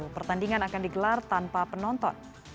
pertandingan akan digelar tanpa penonton